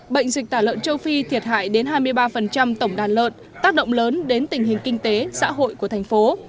bệnh dịch tả lợn châu phi thiệt hại đến hai mươi ba tổng đàn lợn tác động lớn đến tình hình kinh tế xã hội của thành phố